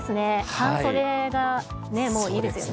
半袖がもういいですよね。